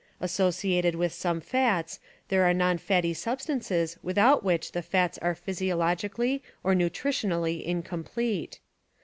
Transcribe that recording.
Associated with some fats there are non fatty substances without which the fats are physiologically or nutritionally incomplete.